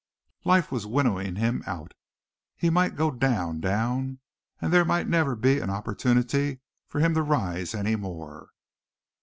Life was winnowing him out. He might go down, down, and there might never be an opportunity for him to rise any more.